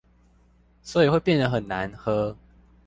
所以會變得很難喝